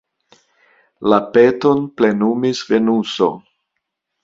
La peton plenumis Venuso.